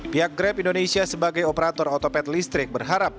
pihak grab indonesia sebagai operator otopet listrik berharap